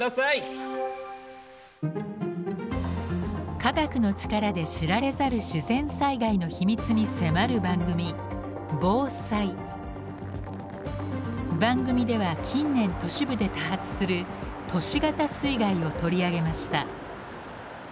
科学の力で知られざる自然災害の秘密に迫る番組番組では近年都市部で多発する「都市型水害」を取り上げました。